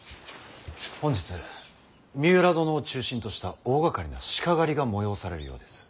本日三浦殿を中心とした大がかりな鹿狩りが催されるようです。